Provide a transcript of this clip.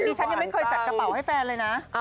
ฉันยังไม่เคยจัดกระเป๋าให้แฟนเลยนะ